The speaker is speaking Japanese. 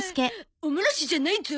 お漏らしじゃないゾ！